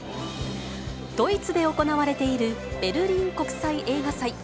ドイツで行われているベルリン国際映画祭。